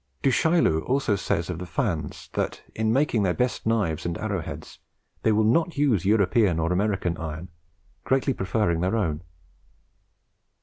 Du Chaillu also says of the Fans, that, in making their best knives and arrow heads, they will not use European or American iron, greatly preferring their own.